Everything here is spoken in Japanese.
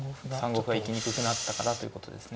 ３五歩が行きにくくなったかなということですね。